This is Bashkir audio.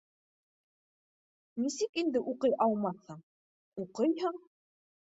— Нисек инде уҡый алмаҫһың? Уҡыйһың.